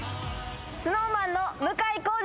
ＳｎｏｗＭａｎの向井康二